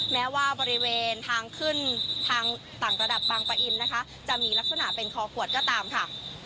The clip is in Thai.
แม้ว่าบริเวณทางขึ้นทางต่างระดับบางปะอินนะคะจะมีลักษณะเป็นคอขวดก็ตามค่ะ